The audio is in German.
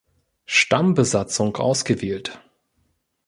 Stammbesatzung ausgewählt.